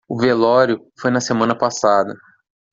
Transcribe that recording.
O velório foi na semana passada.